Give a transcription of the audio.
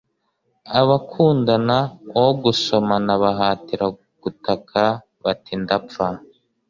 Abakundana uwo gusomana bahatira gutaka bati Ndapfa